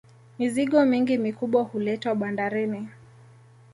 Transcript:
mizigo mingi mikubwa huletwa bandarini